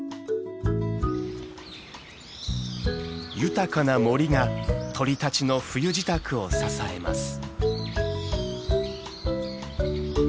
豊かな森が鳥たちの冬支度を支えます。